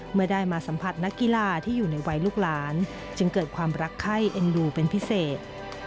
เมื่อได้มาสัมผัสนักกีฬาที่อยู่ในวัยลูกหลานจึงเกิดความรักไข้เอ็นดูเป็นพิเศษ